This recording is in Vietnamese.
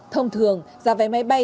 thông thường giá vé máy bay